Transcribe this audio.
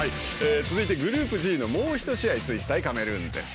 続いてグループＧのもう１試合スイス対カメルーンです。